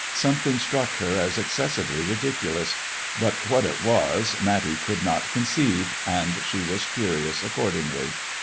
Something struck her as excessively ridiculous ; but what it was Matty could not conceive, and she was curious accordingly.